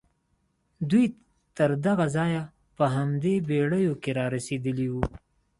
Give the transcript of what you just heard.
دوی تر دغه ځايه په همدې بېړيو کې را رسېدلي وو.